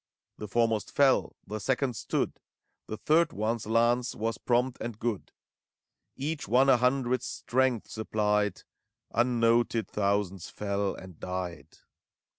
The foremost fell, the second stood; The third one's lance was prompt and good ; Each one a hundred's strength supplied : Unnoted, thousands fell and died.